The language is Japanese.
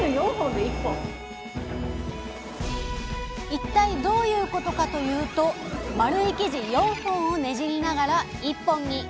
一体どういうことかというと丸い生地４本をねじりながら１本に。